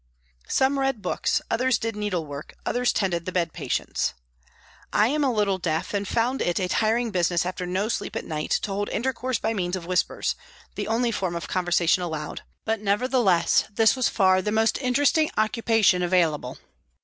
Some read books, others did needlework, others tended the bed patients. I am a little deaf, and found it a tiring business after no sleep at night to hold intercourse by means of whispers, the only form of conversation allowed, but nevertheless this was far the most interesting occupation available.